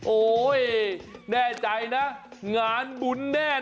โอ๊ยแน่ใจนะงานบุญแน่